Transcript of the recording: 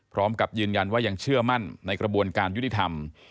พร้อมกับยืนยันว่ายังเชื่อมั่นในกระบวนการยุติธรรม